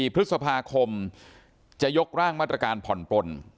๔พฤษภาคมจะยกร่างมาตรการผ่อนปลน